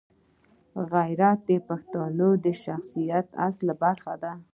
غیرت د پښتون د شخصیت اصلي برخه ده.